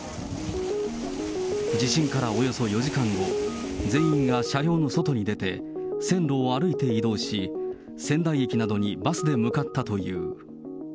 地震からおよそ４時間後、全員が車両の外に出て、線路を歩いて移動し、仙台駅などにバスで向かったという。